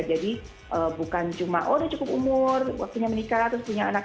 jadi bukan cuma oh dia cukup umur waktunya menikah terus punya anak